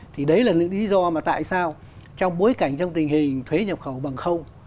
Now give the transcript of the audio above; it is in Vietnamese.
thì đấy là những lý do mà tại sao trong bối cảnh trong tình hình thuế nhập khẩu bằng không